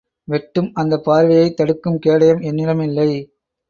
வெட்டும் அந்தப் பார்வையைத் தடுக்கும் கேடயம் என்னிடம் இல்லை.